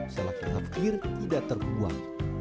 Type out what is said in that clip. salak yang hafir tidak terbuang